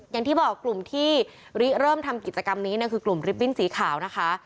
อย่างที่บอกกลุ่มที่เริ่มทำกิจกรรมนี้คือกลุ่มริบบิ้นสีขาวนะคะ